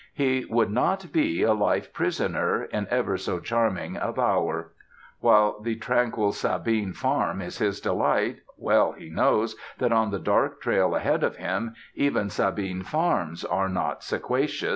He would not be a life prisoner, in ever so charming a bower. While the tranquil Sabine Farm is his delight, well he knows that on the dark trail ahead of him, even Sabine Farms are not sequacious.